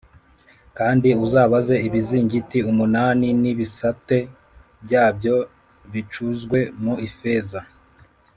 Kandi uzabaze ibizingiti umunani n ibisate byabyo bicuzwe mu ifeza